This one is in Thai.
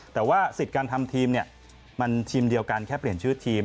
แต่ว่าสิทธิ์การทำทีมเนี่ยมันทีมเดียวกันแค่เปลี่ยนชื่อทีม